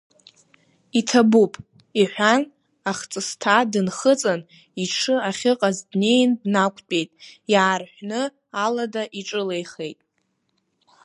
Иҭабуп, — иҳәан, ахҵысҭа дынхыҵын, иҽы ахьыҟаз днеин днақәтәеит, иаарҳәны алада иҿылеихеит.